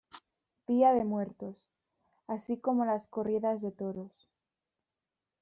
Día de muertos así como las corridas de toros.